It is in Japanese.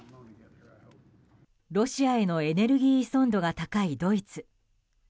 ロシアへのエネルギー依存度が高いドイツ。